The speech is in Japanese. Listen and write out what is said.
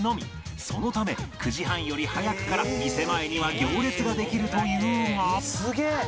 そのため９時半より早くから店前には行列ができるというが